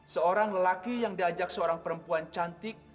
seorang lelaki yang diajak seorang perempuan cantik